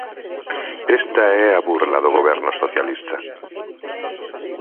Esta é a burla do Goberno Socialista.